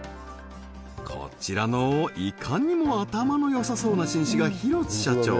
こちらのいかにも頭のよさそうな紳士が広津社長